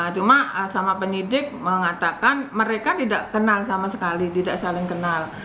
cuma sama penyidik mengatakan mereka tidak kenal sama sekali tidak saling kenal